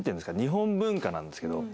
日本文化なんですけど。